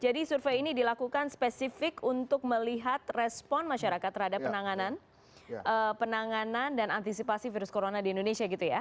jadi survei ini dilakukan spesifik untuk melihat respon masyarakat terhadap penanganan dan antisipasi virus corona di indonesia gitu ya